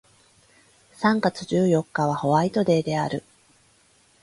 三月十四日はホワイトデーである